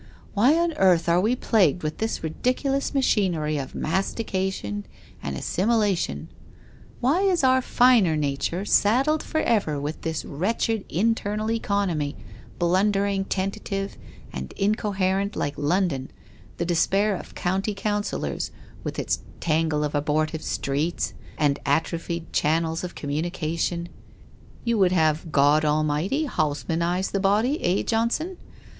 ' Why on earth are we plagued with this ridiculous machinery of mastication and assimilation? Why is our finer nature saddled forever with this wretched internal economy, blundering, tentative, and incoherent, like London, the despair of County Councillors, with its tangle of abortive streets, and atrophied channels of com munication '' You would have God Almighty Haussmanize the body, eh, Johnson?